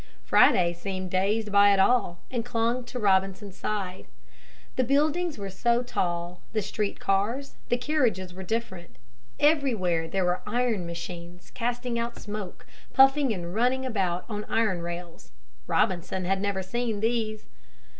Friday seemed dazed by it all and clung to Robinson's side. The buildings were so tall, the street cars, the carriages were different. Everywhere there were iron machines, casting out smoke, puffing and running about on iron rails. Robinson had never seen these.